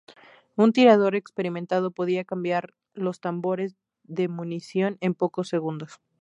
Un tirador experimentado podía cambiar los tambores de munición en pocos segundos.